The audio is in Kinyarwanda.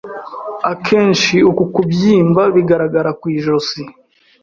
Akenshi uku kubyimba bigaragara ku ijosi,